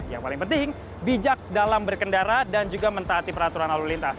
yang paling penting bijak dalam berkendara dan juga mentaati peraturan lalu lintas